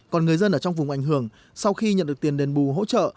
còn người dân ở trong vùng ảnh hưởng sau khi nhận được tiền đền bù hỗ trợ